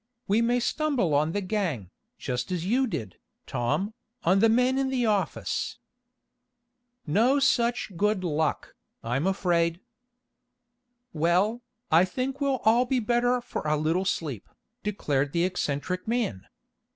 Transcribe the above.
We may stumble on the gang, just as you did, Tom, on the men in the office." "No such good luck, I'm afraid." "Well, I think we'll all be better for a little sleep," declared the eccentric man.